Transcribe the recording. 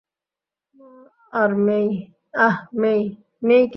আহ, মেই?